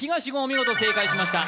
見事正解しました